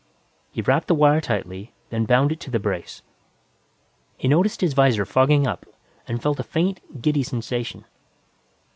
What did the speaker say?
He wrapped the wire tightly, then bound it to the brace. He noticed his visor fogging up and felt a faint, giddy sensation.